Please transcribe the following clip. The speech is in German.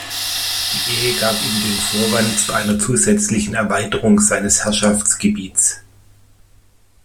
Die Ehe gab ihm den Vorwand zu einer zusätzlichen Erweiterung seines Herrschaftsgebiets.